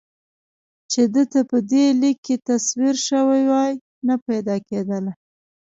چې ده ته په دې لیک کې تصویر شوې وای نه پیدا کېدله.